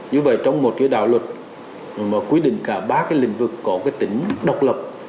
như vậy trong một đạo luật mà quyết định cả ba lĩnh vực có tính độc lập